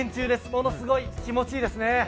ものすごい気持ちいいですね。